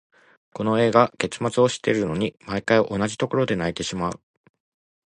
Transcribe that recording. この映画、結末を知っているのに、毎回同じところで泣いてしまう。